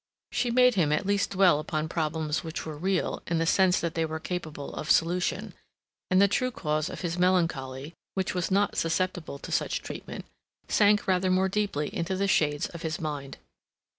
She made him at least dwell upon problems which were real in the sense that they were capable of solution; and the true cause of his melancholy, which was not susceptible to such treatment, sank rather more deeply into the shades of his mind.